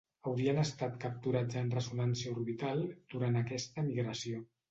Haurien estat capturats en ressonància orbital durant aquesta migració.